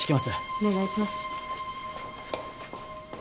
お願いします。